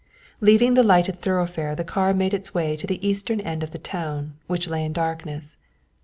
Leaving the lighted thoroughfare the car made its way to the eastern end of the town, which lay in darkness.